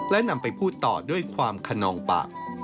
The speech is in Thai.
และนำไปพูดต่อด้วยความขนองปาก